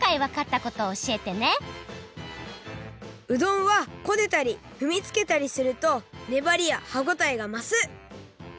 うどんはこねたりふみつけたりするとねばりや歯ごたえがます！